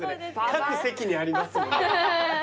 各席にありますよね。